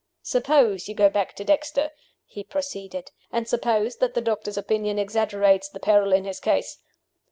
"Suppose you go back to Dexter," he proceeded. "And suppose that the doctor's opinion exaggerates the peril in his case.